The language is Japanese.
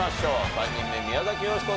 ３人目宮崎美子さん